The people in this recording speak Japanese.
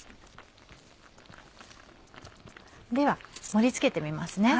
では盛り付けてみます。